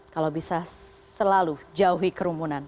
kalau bisa selalu jauhi kerumunan